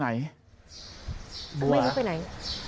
ไม่รู้ไปไหน